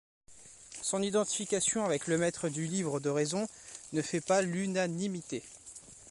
Son identification avec Le Maître du Livre de Raison ne fait pas l'unanimité.